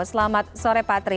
selamat sore patri